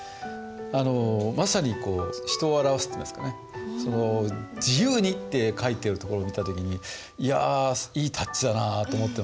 まさに人を表すといいますかね「自由に」って書いているところを見た時にいやいいタッチだなと思ってました。